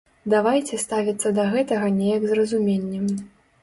Давайце ставіцца да гэтага неяк з разуменнем.